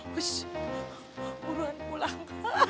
wiss buruan pulang